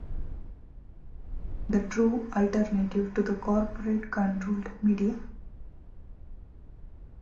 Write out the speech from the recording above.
The True alternative to the corporate controlled media.